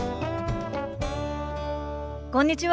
こんにちは。